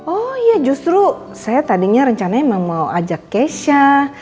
oh iya justru saya tadinya rencana mau ajak keisha